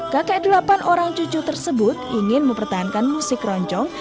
kakek delapan orang cucu tersebut ingin mempertahankan musik keroncong